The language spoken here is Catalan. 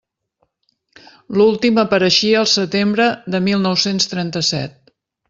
L'últim apareixia el setembre de mil nou-cents trenta-set.